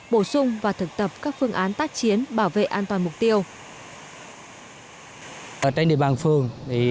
bổ sung và thực tập các phương án tác chiến bảo vệ an toàn